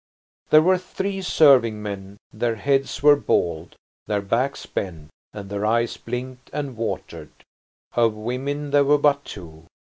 There were three serving men; their heads were bald, their backs bent, and their eyes blinked and watered. Of women there were but two.